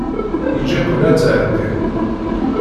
Yeǧǧa-ken ad tɛeddim.